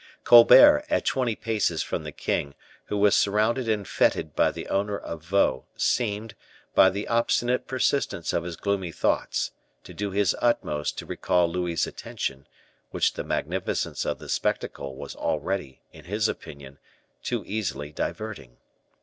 Colbert, at twenty paces from the king, who was surrounded and feted by the owner of Vaux, seemed, by the obstinate persistence of his gloomy thoughts, to do his utmost to recall Louis's attention, which the magnificence of the spectacle was already, in his opinion, too easily diverting.